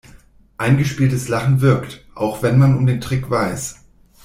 Eingespieltes Lachen wirkt, auch wenn man um den Trick weiß.